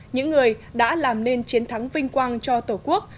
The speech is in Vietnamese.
những người đã làm nên chiến thắng vinh quang cho tổ quốc